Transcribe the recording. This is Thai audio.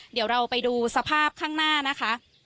เดี๋ยวเราไปดูสภาพข้างหน้านะคะ